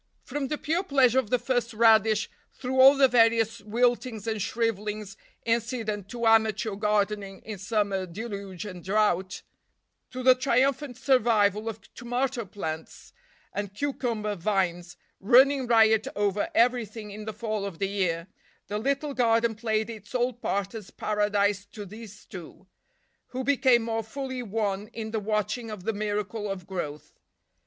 From the pure pleasure of the first radish, through all the various wiltings and shrivelings incident to amateur gardening in summer deluge and drought, to the triumphant survival of tomato plants and cucumber vines, running riot over everything in the fall of the year, the little garden played its old part as paradise to these two, who became more fully one in the watching of the miracle of growth.